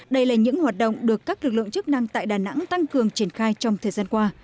đây là những hoạt động được các lực lượng chức năng tại đà nẵng tăng cường triển khai trong thời gian qua